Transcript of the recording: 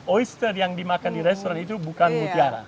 oister yang dimakan di restoran itu bukan mutiara